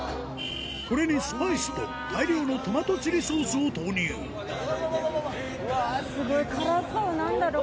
これにスパイスと大量のトマトチリソースを投入何だろう？